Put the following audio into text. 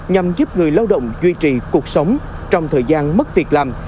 nhằm giúp người lao động duy trì cuộc sống trong thời gian mất việc làm